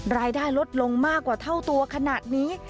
รายได้ลดลงมากกว่าเท่าตัวขนาดนี้